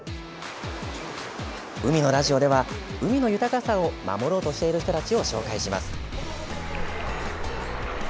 「海のラジオ」では海の豊かさを守ろうとしている人たちを紹介します。